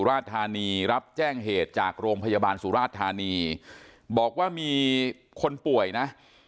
ราชธานีรับแจ้งเหตุจากโรงพยาบาลสุราชธานีบอกว่ามีคนป่วยนะ